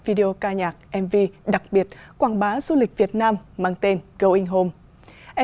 video ca nhạc mv đặc biệt quảng bá du lịch việt nam mang tên going home